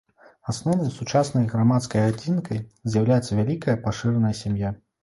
Асноўнай сучаснай грамадскай адзінкай з'яўляецца вялікая пашыраная сям'я.